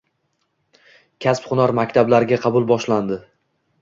Kasb-hunar maktablariga qabul boshlandi